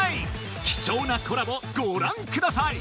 貴重なコラボご覧ください